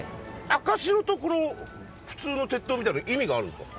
赤白とこの普通の鉄塔みたいなの意味があるんですか？